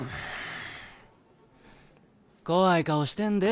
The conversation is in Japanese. ・怖い顔してんで。